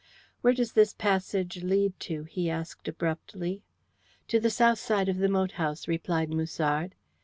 "Where does this passage lead to?" he asked abruptly. "To the south side of the moat house," replied Musard.